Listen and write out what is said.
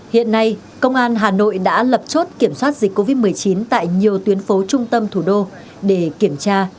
hiện nay công an hà nội đã lập chốt kiểm soát dịch covid một mươi chín tại nhiều tuyến phố trung tâm thủ đô để kiểm tra